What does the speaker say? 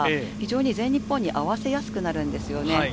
全日本に合わせやすくなるんですよね。